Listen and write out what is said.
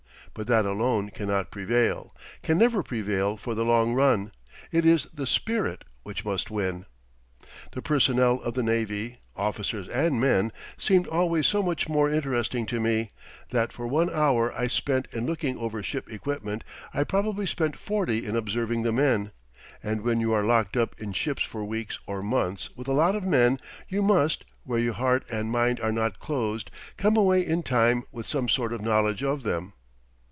But that alone cannot prevail, can never prevail for the long run. It is the spirit which must win. The personnel of the navy, officers and men, seemed always so much more interesting to me, that for one hour I spent in looking over ship equipment, I probably spent forty in observing the men; and when you are locked up in ships for weeks or months with a lot of men you must, where your heart and mind are not closed, come away in time with some sort of knowledge of them.